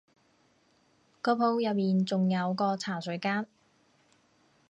個鋪入面仲有個茶水間